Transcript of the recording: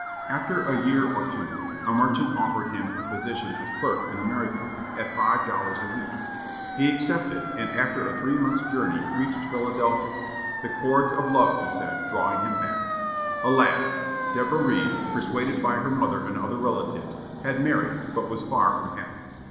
After a year or two, a merchant offered him a position as clerk in America, at five dollars a week. He accepted, and, after a three months voyage, reached Philadelphia, "the cords of love," he said, drawing him back. Alas! Deborah Read, persuaded by her mother and other relatives; had married, but was far from happy.